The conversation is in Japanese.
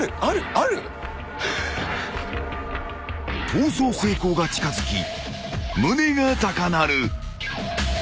［逃走成功が近づき胸が高鳴る］